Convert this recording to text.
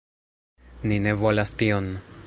Ni ne volas tion!"